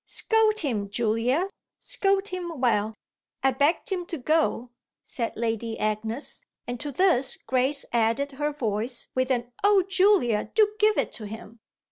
"Scold him, Julia scold him well. I begged him to go," said Lady Agnes; and to this Grace added her voice with an "Oh Julia, do give it to him!"